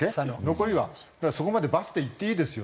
残りはだからそこまでバスで行っていいですよと。